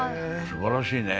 すばらしいね